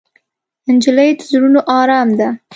نجلۍ د زړونو ارام ده.